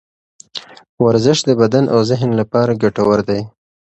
ورزش د بدن او ذهن لپاره ګټور دی.